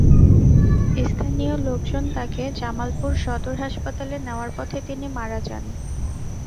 স্থানীয় লোকজন তাঁকে জামালপুর সদর হাসপাতালে নেওয়ার পথে তিনি মারা যান।